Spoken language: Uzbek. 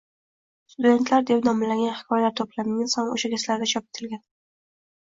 Studentlar deb nomlangan hikoyalar to`plamingiz ham o`sha kezlarda chop etilgan